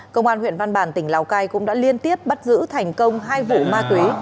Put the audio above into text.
công an huyện văn bàn tỉnh lào cai cũng đã liên tiếp bắt giữ thành công hai vụ ma túy